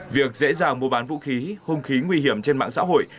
việc dễ dàng mua bán vũ khí hung khí nguy hiểm trên mạng xã hội